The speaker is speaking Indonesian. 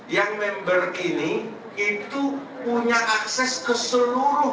yang member ini itu punya akses ke seluruh